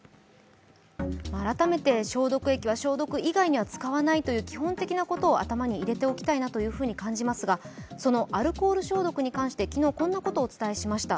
改めて消毒液は消毒以外には使わないということを基本的なことを頭に入れておきたいなというふうに感じますが、そのアルコール消毒に関して昨日こんなことをお伝えしました。